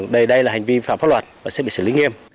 đây là hành vi phạm pháp luật và sẽ bị xử lý nghiêm